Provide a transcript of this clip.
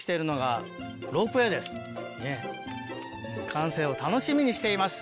「完成を楽しみにしています